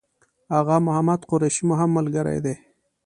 آغا محمد قریشي مو هم ملګری دی.